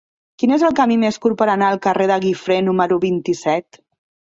Quin és el camí més curt per anar al carrer de Guifré número vint-i-set?